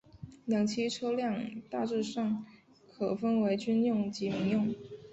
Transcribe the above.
两栖车辆大致上可分为军用及民用。